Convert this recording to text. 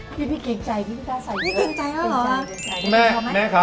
พี่ฟิกใจพี่ฟิกใจใส่เยอะ